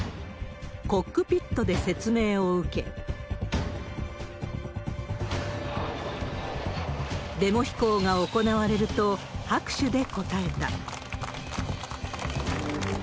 コックピットで説明を受け、デモ飛行が行われると、拍手で応えた。